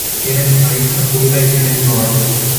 Tienen una hija, Willa, y viven en Nueva York.